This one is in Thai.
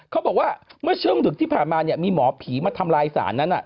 เขาบอกว่าเมื่อช่วงดึกที่ผ่านมามีหมอผีมาทำลายสารนั้น